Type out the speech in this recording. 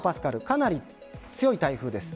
かなり強い台風です。